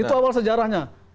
itu awal sejarahnya